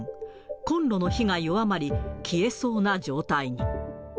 コンロの火が弱まり、消えそうな状態に。